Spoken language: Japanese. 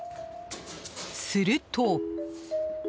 すると。